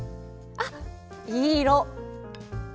あっいい色。